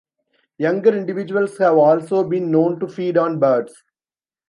Younger individuals have also been known to feed on birds.